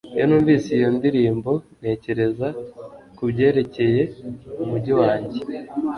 Iyo numvise iyo ndirimbo ntekereza kubyerekeye umujyi wanjye